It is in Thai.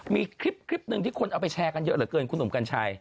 มีคลิปหนึ่งที่คนเอาไปแชร์กันเยอะเหลือเกินคุณหนุ่มกัญชัย